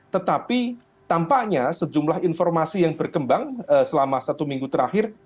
tetapi tampaknya sejumlah informasi yang berkembang selama satu minggu terakhir